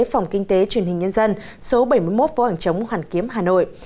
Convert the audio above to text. phòng kinh tế truyền hình nhân dân số bảy mươi một phố hàng chống hoàn kiếm hà nội